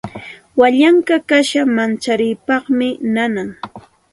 Wallankuy kasha mancharipaqmi nanan.